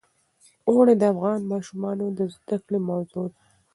اوړي د افغان ماشومانو د زده کړې موضوع ده.